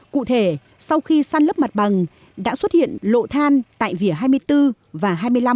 cụ thể sau khi săn lấp mặt bằng đã xuất hiện lộ than tại vỉa hai mươi bốn và hai mươi năm